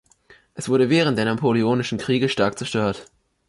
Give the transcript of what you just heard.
Es wurde während der Napoleonischen Kriege stark zerstört.